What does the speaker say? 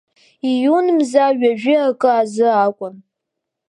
Ииун мза ҩажәи акы азы акәын.